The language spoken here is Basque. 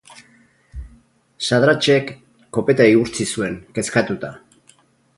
Shadrachek kopeta igurtzi zuen, kezkatuta.